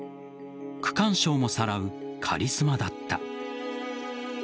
区間賞もさらうカリスマだった。